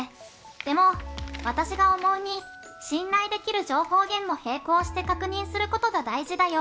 でも、私が思うに信頼できる情報源も並行して確認することが大事だよ。